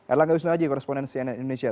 erlangga wisnuaji koresponen cnn indonesia